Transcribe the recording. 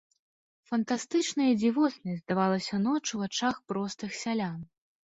Фантастычнай і дзівоснай здавалася ноч у вачах простых сялян.